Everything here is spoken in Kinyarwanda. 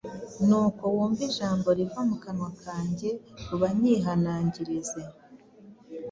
nuko wumve ijambo riva mu kanwa kanjye, ubanyihanangirize.